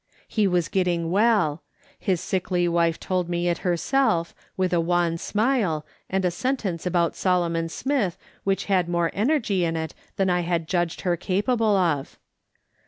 He was getting well. His sickly wife told me it herself, with a wan smile, and a sentence about Solomon Smith which had more energy in it than I had judged her capable of.